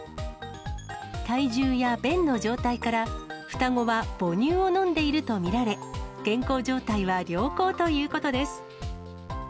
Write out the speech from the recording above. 体重や便の状態から、双子は母乳を飲んでいると見られ、健康状態は良好ということです。